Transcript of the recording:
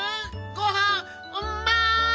ごはんうまい！